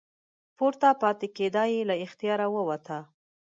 پورته پاتې کیدا یې له اختیاره ووته.